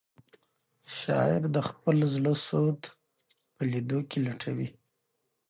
شاعر د خپل زړه سود په لیدو کې لټوي.